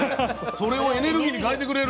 それをエネルギーに変えてくれる。